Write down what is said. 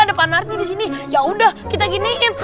ada pak nardi disini yaudah kita giniin